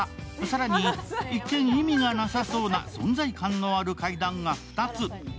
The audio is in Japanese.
更に、一見、意味がなさそうな存在感がある階段が２つ。